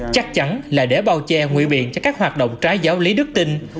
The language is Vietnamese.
chắc chắn là để bao che nguy biện cho các hoạt động trái giáo lý đức tinh